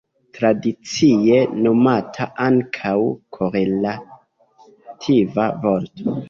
Tradicie nomata ankaŭ korelativa vorto.